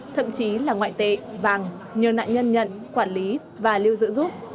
thậm chí là ngoại tệ vàng nhờ nạn nhân nhận quản lý và lưu giữ giúp